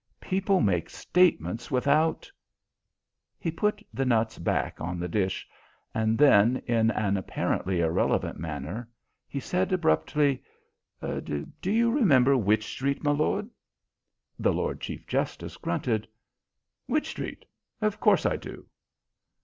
People make statements without " He put the nuts back on the dish, and then, in an apparently irrelevant manner, he said abruptly: "Do you remember Wych Street, my lord?" The Lord Chief justice grunted. "Wych Street! Of course I do."